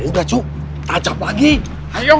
udah cuk tacap lagi hayo